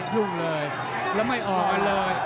ยุ่งเลยแล้วไม่ออกกันเลย